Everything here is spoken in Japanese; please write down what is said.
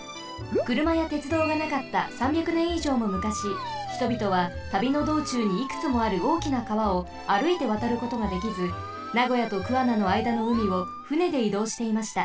くるまやてつどうがなかった３００年以上も昔ひとびとは旅のどうちゅうにいくつもあるおおきな川をあるいてわたることができず名古屋と桑名のあいだのうみを船でいどうしていました。